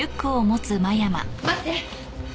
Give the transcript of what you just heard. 待って。